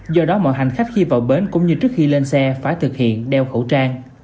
do đó mọi hành khách khi vào bến cũng như trước khi lên xe phải thực hiện đeo khẩu trang